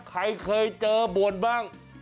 ใครเคยเจอบวชบ้าง